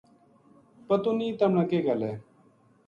پتو نیہہ تمنا کے گل ہے